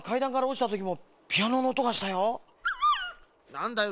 なんだよ？